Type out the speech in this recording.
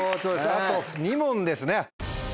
あと２問ですね。